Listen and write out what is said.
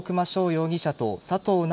容疑者と佐藤直